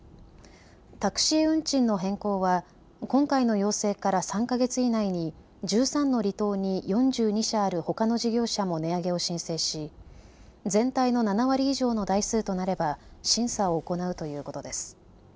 タクシー運賃の変更は今回の要請から３か月以内に１３の離島に４２社あるほかの事業者も値上げを申請し全体の７割以上の台数となれば審査を行うということです。